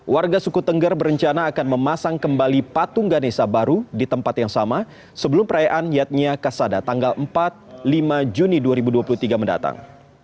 warga suku tengger berencana akan memasang kembali patung ganesa baru di tempat yang sama sebelum perayaan yatnya kasada tanggal empat lima juni dua ribu dua puluh tiga mendatang